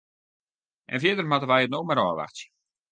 En fierder moatte wy it mar ôfwachtsje.